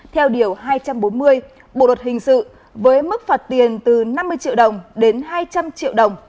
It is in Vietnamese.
theo điều hai trăm bốn mươi bộ luật hình sự với mức phạt tiền từ năm mươi triệu đồng đến hai trăm linh triệu đồng